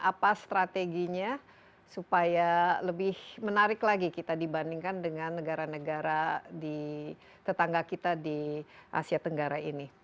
apa strateginya supaya lebih menarik lagi kita dibandingkan dengan negara negara di tetangga kita di asia tenggara ini